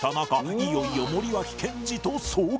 いよいよ森脇健児と遭遇